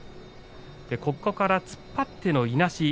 ここから突っ張りでのいなし